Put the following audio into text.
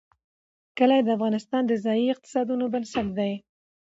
کلي د افغانستان د ځایي اقتصادونو بنسټ دی.